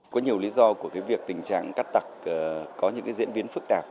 có nhiều lý do của việc tình trạng cắt tặc có những diễn biến phức tạp